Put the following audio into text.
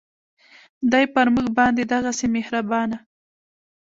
دی پر مونږ باندې دغهسې مهربانه